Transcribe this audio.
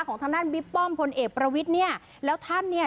ของทางด้านบิ๊กป้อมพลเอกประวิทย์เนี่ยแล้วท่านเนี่ย